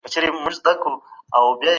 په هند کې د خطي نسخو مرکز سته.